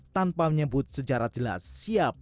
tanpa menyebut sejarah jelas siap